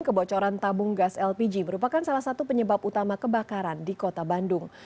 kebocoran tabung gas lpg merupakan salah satu penyebab utama kebakaran di kota bandung